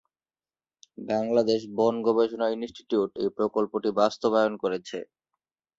বাংলাদেশ বন গবেষণা ইনস্টিটিউট এই প্রকল্পটি বাস্তবায়ন করেছে।